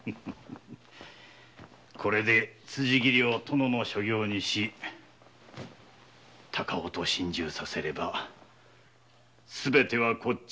これで辻斬りを殿の所業にし高尾と心中させればすべてはこっちのものだ。